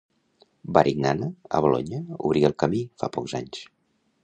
Varignana, a Bolonya, obrí el camí, fa pocs anys.